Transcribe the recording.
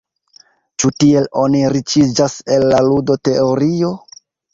Ĉu tiel oni riĉiĝas el la ludo-teorio?